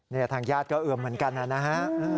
นี่ทางญาติก็เอือมเหมือนกันนะฮะ